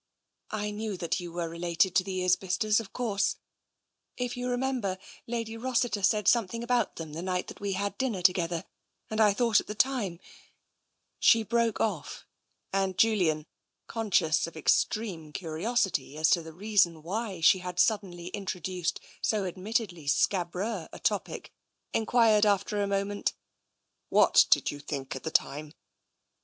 " I knew that you were related to the Isbisters, of course. If you remember. Lady Rossiter said some 149 ISO TENSION thing about them that night that we had dinner to gether, and I thought at the time " She broke off, and Julian, conscious of extreme cu riosity as to the reason why she had suddenly intro duced so admittedly scdbreux a topic, enquired after a moment : "What did you think at the time?"